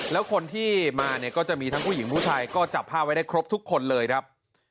แล้วคนที่มาเนี่ยก็จะมีทั้งผู้หญิงผู้ชายก็จับผ้าไว้ได้ครบทุกคนเลยครับ